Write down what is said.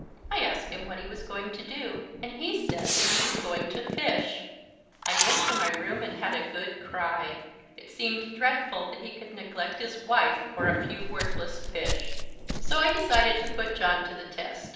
I asked him what he was going to do, and he said that he was going to fish. I went to my room and had a good cry. It seemed dreadful that he could neglect his wife for a few worthless fish. So I decided to put John to the test.